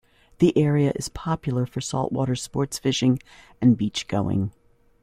The area is popular for saltwater sports fishing and beach-going.